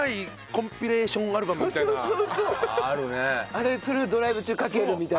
あれそれをドライブ中かけるみたいな。